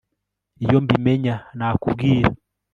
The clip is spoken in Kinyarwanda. Iyo mbimenya nakubwira